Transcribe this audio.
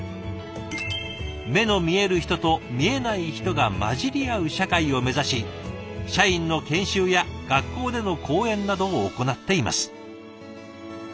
「目の見える人と見えない人が混じりあう社会」を目指し社員の研修や学校での講演などを行っています。